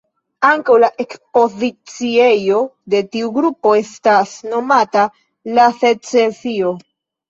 Ankaŭ la ekspoziciejo de tiu grupo estas nomata "La Secesio".